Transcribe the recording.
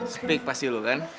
speak pasti lo kan